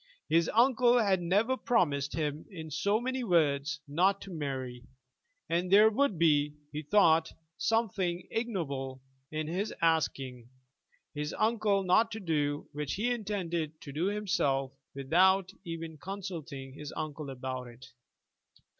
His uncle had never promised him in so many words not to marry, and there would be, he thought, something ignoble in his asking his uncle not to do that which he intended to do himself without even consulting his uncle about it.